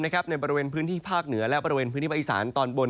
ในบริเวณพื้นที่ภาคเหนือและบริเวณพื้นที่ภาคอีสานตอนบน